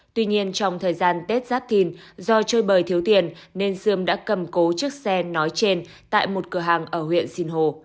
tuy nhiên trong thời gian tết giáp thìn do chơi bời thiếu tiền nên dương đã cầm cố chiếc xe nói trên tại một cửa hàng ở huyện sinh hồ